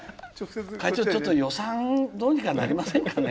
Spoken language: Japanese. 「会長ちょっと予算どうにかなりませんかね」